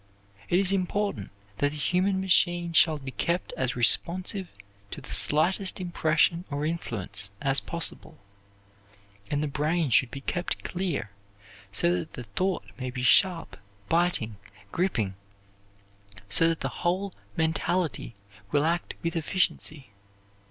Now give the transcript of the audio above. It is important that the human machine shall be kept as responsive to the slightest impression or influence as possible, and the brain should be kept clear so that the thought may be sharp, biting, gripping, so that the whole mentality will act with efficiency.